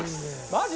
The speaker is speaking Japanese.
マジ？